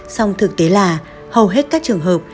sông thực tế là hầu hết các trường hợp